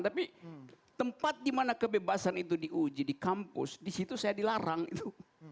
tapi tempat di mana kebebasan itu diuji di kampus di situ saya dilarang itu